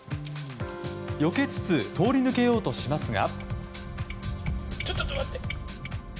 避けつつ通り抜けようとしますが。